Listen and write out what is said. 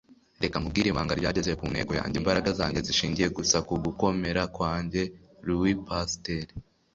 reka nkubwire ibanga ryangeze ku ntego yanjye. imbaraga zanjye zishingiye gusa ku gukomera kwanjye. - louis pasteur